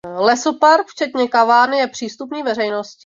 Lesopark včetně kavárny je přístupný veřejnosti.